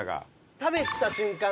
食べた瞬間